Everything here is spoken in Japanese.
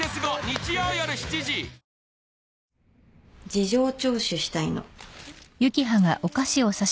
事情聴取したいの。